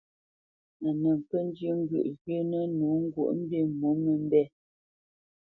A nə kə́ njyə́ ŋgyə̂ʼ zhyə́nə̄ nǒ ŋgwǒʼmbî mǒmə́mbɛ̂.